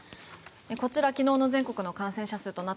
こちら、昨日の全国の感染者数です。